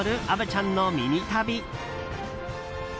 虻ちゃんのミニ旅。